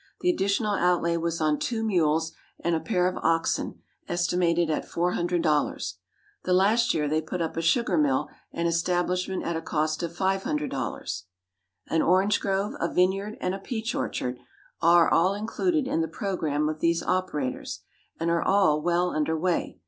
The additional outlay was on two mules and a pair of oxen, estimated at four hundred dollars. The last year, they put up a sugar mill and establishment at a cost of five hundred dollars. An orange grove, a vineyard, and a peach orchard, are all included in the programme of these operators, and are all well under way.